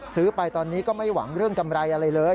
ซื้อไปตอนนี้ก็ไม่หวังเรื่องกำไรอะไรเลย